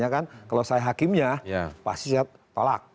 kalau saya hakimnya pasti saya tolak